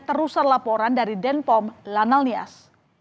terusan laporan dari denpom lanal nias